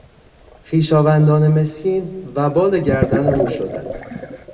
خویشاوندان مسکین وبال گردن او شدند.